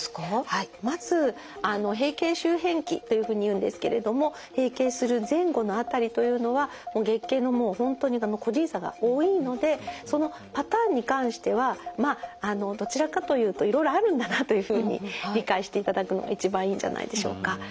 はいまず閉経周辺期というふうにいうんですけれども閉経する前後の辺りというのは月経のもう本当に個人差が多いのでそのパターンに関してはまあどちらかというといろいろあるんだなというふうに理解していただくのが一番いいんじゃないでしょうか。